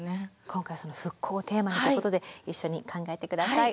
今回は復興をテーマにということで一緒に考えてください